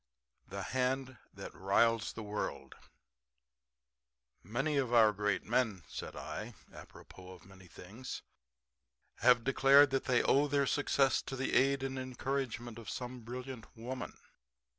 THE HAND THAT RILES THE WORLD "Many of our great men," said I (apropos of many things), "have declared that they owe their success to the aid and encouragement of some brilliant woman."